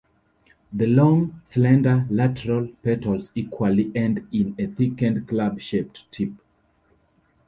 The long, slender, lateral petals equally end in a thickened club-shaped tip.